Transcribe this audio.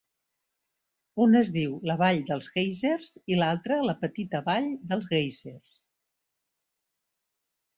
Un es diu la vall dels Guèisers, i l'altre la Petita vall dels Guèisers.